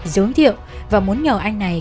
giới thiệu và muốn nhờ anh này